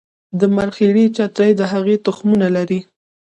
د مرخیړي چترۍ د هغې تخمونه لري